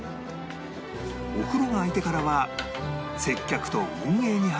お風呂が開いてからは接客と運営に励む２人